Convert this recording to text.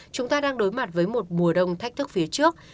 chúng ta đang đối mặt với một mùa đông thách thức phía trước